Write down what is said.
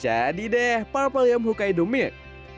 jadi deh purple yum hokkaido milk